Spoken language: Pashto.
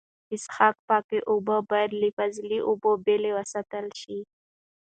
د څښاک پاکې اوبه باید له فاضله اوبو بېلې وساتل سي.